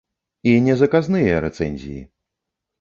І не заказныя рэцэнзіі.